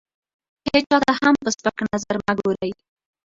هېچا ته هم په سپک نظر مه ګورئ!